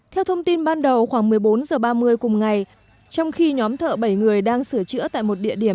theo thông tin ban đầu khoảng một mươi bốn h ba mươi cùng ngày trong khi nhóm thợ bảy người đang sửa chữa tại một địa điểm